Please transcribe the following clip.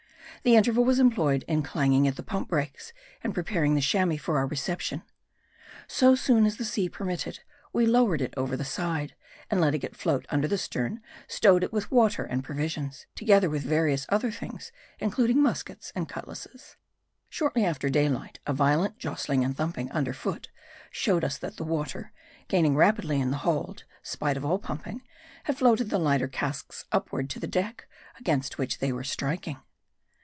The interval was employed in clanging at the pump breaks, and preparing the Chamois for our reception. So soon as the sea permitted, we lowered it over the side ; and letting it float under the stern, stowed it with water and provisions, together with various other things, including muskets and cutlasses. Shortly after daylight, a violent jostling and thumping under foot showed that the water, gaining rapidly in the hold, spite of all pumping, had floated the lighter casks up ward to the deck, against which they were striking.